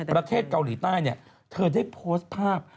ประเทศเกาหลีใต้เธอได้โพสต์ภาพ